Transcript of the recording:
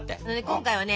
今回はね